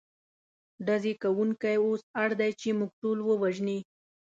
ډزې کوونکي اوس اړ دي، چې موږ ټول ووژني.